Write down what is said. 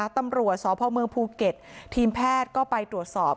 ตำรวจสพเมืองภูเก็ตทีมแพทย์ก็ไปตรวจสอบ